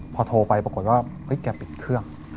พอโทรไปปรากฏว่าเฮ้ยแกปิดเครื่อง